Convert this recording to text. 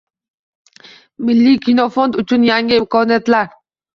Milliy kinofond uchun yangi imkoniyatlar